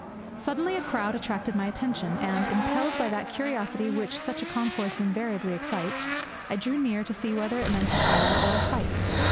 Suddenly a crowd attracted my attention, and, impelled by that curiosity which such a concourse invariably excites, I drew near to see whether it meant a fire or a fight.